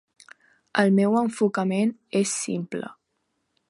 El meu enfocament és simple.